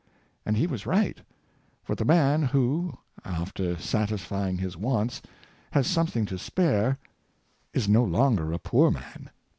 And he was right, for the man who, after satisfying his wants, has something to spare, is no longer a poor man.